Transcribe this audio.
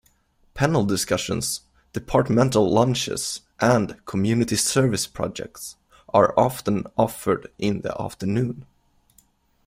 Panel discussions, departmental lunches, and community service projects are often offered in the afternoon.